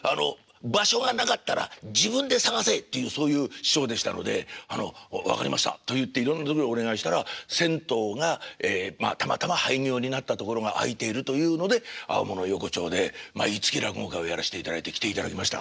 「場所がなかったら自分で探せ」っていうそういう師匠でしたので「分かりました」と言っていろんなところにお願いしたら銭湯がたまたま廃業になったところが空いているというので青物横丁で毎月落語会をやらせていただいて来ていただきました。